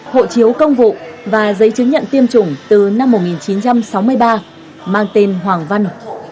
hộ chiếu công vụ và giấy chứng nhận tiêm chủng từ năm một nghìn chín trăm sáu mươi ba mang tên hoàng văn